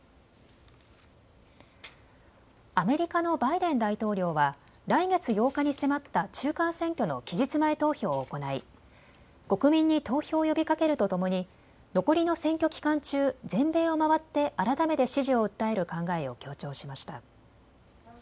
アメリカのバイデン大統領は来月８日に迫った中間選挙の期日前投票を行い国民に投票を呼びかけるとともに残りの選挙期間中、全米を回って改めて支持を訴える考えを強調しました。